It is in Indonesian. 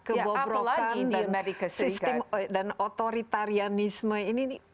kebobrokan dan sistem dan otoritarianisme ini